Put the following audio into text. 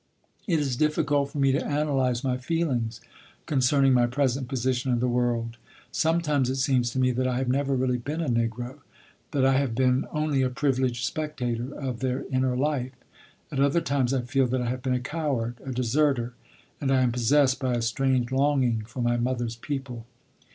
It is difficult for me to analyze my feelings concerning my present position in the world. Sometimes it seems to me that I have never really been a Negro, that I have been only a privileged spectator of their inner life; at other times I feel that I have been a coward, a deserter, and I am possessed by a strange longing for my mother's people.